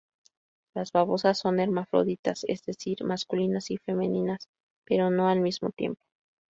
Las babosas son hermafroditas, es decir, masculinas y femeninas, pero no al mismo tiempo.